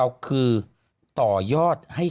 แบบนี้